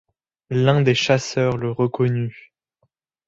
L'un des chasseurs le reconnut.